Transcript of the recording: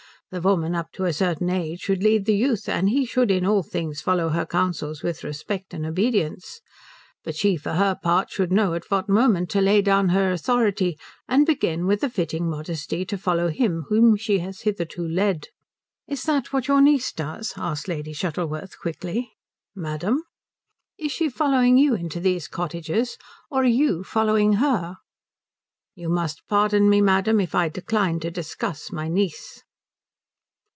"The woman up to a certain age should lead the youth, and he should in all things follow her counsels with respect and obedience. But she for her part should know at what moment to lay down her authority, and begin, with a fitting modesty, to follow him whom she has hitherto led." "Is that what your niece does?" asked Lady Shuttleworth quickly. "Madam?" "Is she following you into these cottages, or are you following her?" "You must pardon me, madam, if I decline to discuss my niece."